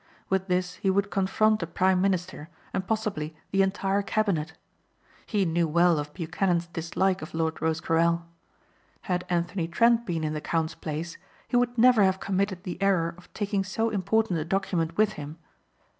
With this he would confront a prime minister and possibly the entire cabinet. He knew well of Buchanan's dislike of Lord Rosecarrel. Had Anthony Trent been in the count's place he would never have committed the error of taking so important a document with him.